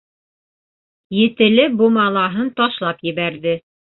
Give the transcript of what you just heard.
Етеле бумалаһын ташлап ебәрҙе.